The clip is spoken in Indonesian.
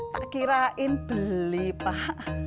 tak kirain beli pak